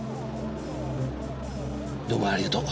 どうもありがとう。